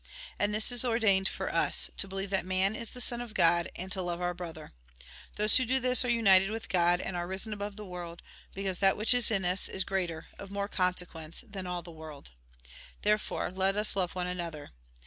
And this is ordained for us — to believe that man is the son of God, and to love our brother. Those who do this are united with God, and are risen above the world, because that which is in us is greater, of more consequence, than all the world. Therefore let us love one another.